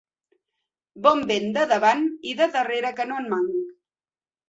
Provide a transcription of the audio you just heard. Bon vent de davant, i de darrere que no en manc.